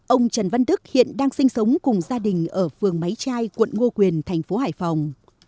ông trần văn đức hiện đang sinh sống cùng gia đình ở phường máy trai quận ngô quyền thành phố hải phòng